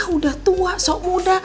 udah tua sok muda